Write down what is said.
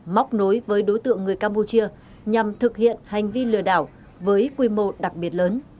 móc nối với đối tượng người campuchia nhằm thực hiện hành vi lừa đảo với quy mô đặc biệt lớn